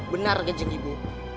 benar jeng ibu